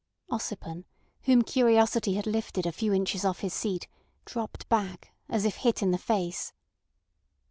Ossipon, whom curiosity had lifted a few inches off his seat, dropped back, as if hit in the face.